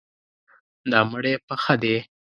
دا مړی پخه دی.